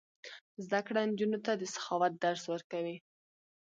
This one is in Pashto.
زده کړه نجونو ته د سخاوت درس ورکوي.